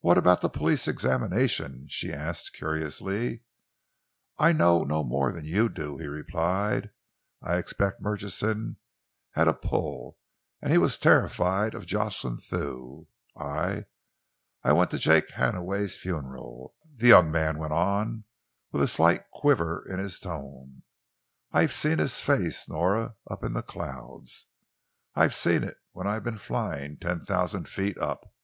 "What about the police examination?" she asked curiously. "I know no more than you do," he replied. "I expect Murchison had a pull, and he was terrified of Jocelyn Thew. I I went to Jake Hannaway's funeral," the young man went on, with a slight quiver in his tone. "I've seen his face, Nora, up in the clouds. I've seen it when I've been flying ten thousand feet up.